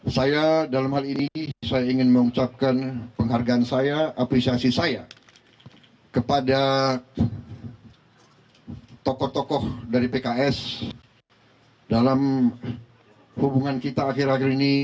saya dalam hal ini saya ingin mengucapkan penghargaan saya apresiasi saya kepada tokoh tokoh dari pks dalam hubungan kita akhir akhir ini